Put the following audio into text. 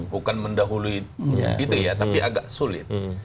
bukan mendahului gitu ya tapi agak sulit